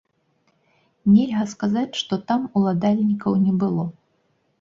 Нельга сказаць, што там уладальнікаў не было.